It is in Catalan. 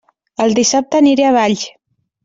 El dissabte aniré a Valls!